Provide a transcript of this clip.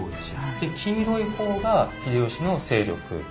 で黄色い方が秀吉の勢力。